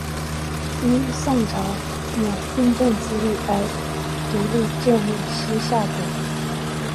因宋朝有并吞之意而独立建立西夏国。